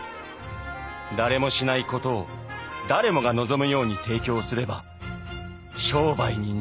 「誰もしないことを誰もが望むように提供すれば商売になる」。